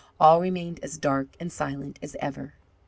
All remained as dark and silent as ever.